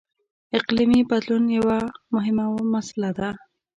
• اقلیمي بدلون یوه مهمه مسله ده.